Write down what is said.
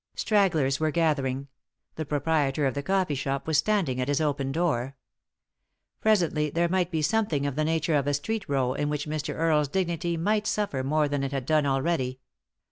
Stragglers were gathering. The proprietor of the coffee shop was standing at his open door. Presently there might be something of the nature of a street row in which Mr. Earie's dignity might surfer more than it had done already.